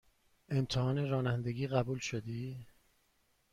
امتحان رانندگی قبول شدی؟